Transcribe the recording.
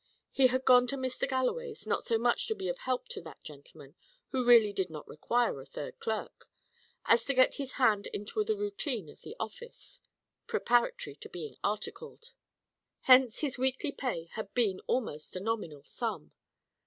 He had gone to Mr. Galloway's not so much to be of help to that gentleman, who really did not require a third clerk, as to get his hand into the routine of the office, preparatory to being articled. Hence his weekly pay had been almost a nominal sum.